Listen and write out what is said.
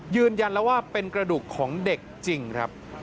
ยืนยันแล้วว่าเป็นกระดูกของเด็กจริงครับ